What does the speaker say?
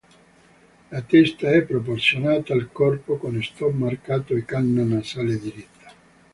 La testa è proporzionata al corpo, con stop marcato e canna nasale diritta.